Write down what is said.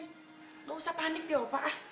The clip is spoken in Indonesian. gak usah panik deh opah